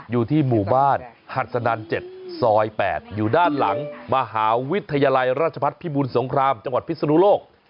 อยู่ที่หมู่บ้านหัสนัน๗ซอย๘อยู่ด้านหลังมหาวิทยาลัยราชพัฒน์พิบูรสงครามจังหวัดพิศนุโลก